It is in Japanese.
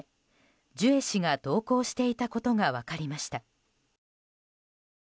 ジュエ氏が同行していたことが分かりました。